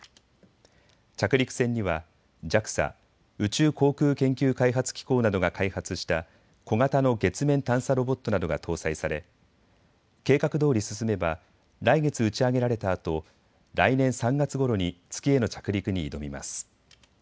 着陸船にはＪＡＸＡ・宇宙航空研究開発機構などが開発した小型の月面探査ロボットなどが搭載され、計画どおり進めば来月打ち上げられたあと来年３月ごろに月への着陸に挑みます。